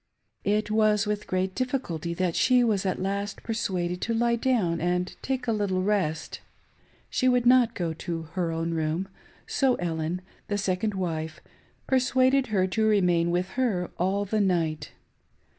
It was with great difficulty that she was at last persuaded to lie down and take a little rest. She would not go to her own room; so Ellen — the second wife — ^per suaded her to remaia with her all the night.